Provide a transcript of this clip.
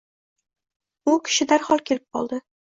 U kishi darhol ketib koldi